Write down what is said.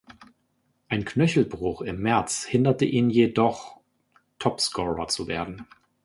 Ein Knöchelbruch im März hinderte ihn jedoch Topscorer zu werden.